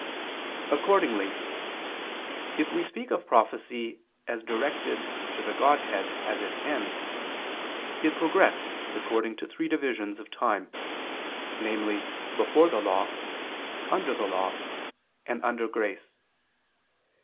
Accordingly, if we speak of prophecy as directed to the Godhead as its end, it progressed according to three divisions of time, namely before the law, under the law, and under grace.